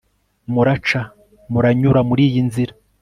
muraca/muranyura muri iyi nzira